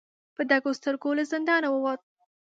په ډکو سترګو له زندانه ووت.